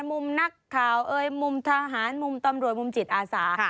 มุมนักข่าวเอ่ยมุมทหารมุมตำรวจมุมจิตอาสา